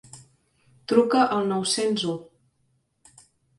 Truca al nou-cents u.